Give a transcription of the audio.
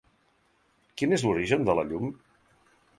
Quin és l’origen de la llum?